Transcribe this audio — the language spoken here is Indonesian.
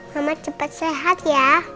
mama cepat sehat ya